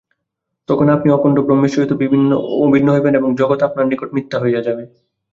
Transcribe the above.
তখন আপনি অখণ্ড ব্রহ্মের সহিত অভিন্ন হইবেন এবং জগৎ আপনার নিকট মিথ্যা হইয়া যাইবে।